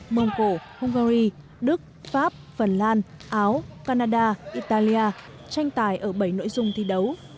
mông cổ hungary đức pháp phần lan áo canada italia tranh tài ở bảy nội dung thi đấu